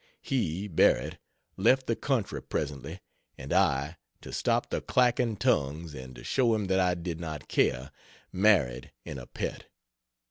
He (Barrett) left the country presently, and I, to stop the clacking tongues, and to show him that I did not care, married, in a pet.